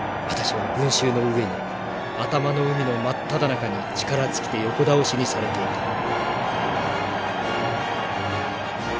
私は群衆の上に頭の海の真っただ中に力尽きて横倒しにされていた」。